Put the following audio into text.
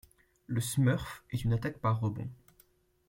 Le smurf est une attaque par rebond.